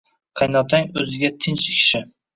– Qaynotang o‘ziga tinch kishi